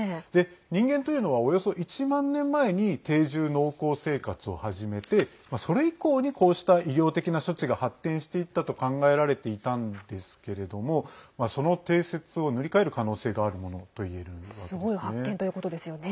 人間というのはおよそ１万年前に定住農耕生活を始めてそれ以降にこうした医療的な処置が発展していったと考えられていたんですけれどもその定説を塗り替える可能性があるものといえるわけですね。